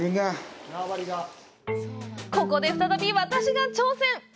ここで再び私が挑戦！